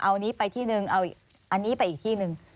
เอานี้ไปที่นึงเอาอันนี้ไปอีกที่หนึ่ง